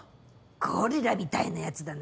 ゴリラみたいなヤツだな。